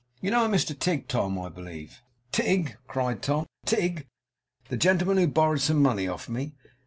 You know a Mr Tigg, Tom, I believe?' 'Tigg!' cried Tom. 'Tigg! The gentleman who borrowed some money of me?